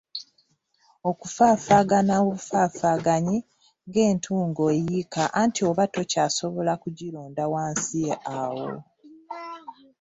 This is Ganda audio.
Okufaafaagana obufaafaaganyi ng'entungo eyiika anti oba tokyasobola kugironda wansi awo.